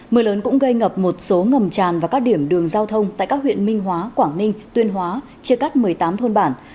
mưa lớn cũng gây ngập một số ngầm tràn và các điểm đường giao thông tại các huyện minh hóa quảng ninh tuyên hóa chia cắt một mươi tám thôn bản